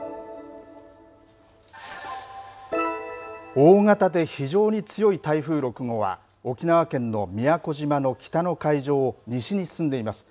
大型で非常に強い台風６号は沖縄県の宮古島の北の海上を西に進んでいます。